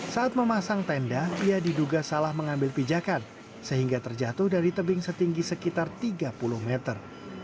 saat memasang tenda ia diduga salah mengambil pijakan sehingga terjatuh dari tebing setinggi sekitar tiga puluh meter